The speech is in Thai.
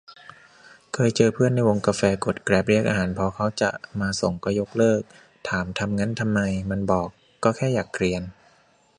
เคยเจอเพื่อนในวงกาแฟกดแกร็ปเรียกอาหารพอเค้าจะมาส่งก็ยกเลิก ถามทำงั้นทำไม มันบอกก็แค่อยากเกรียน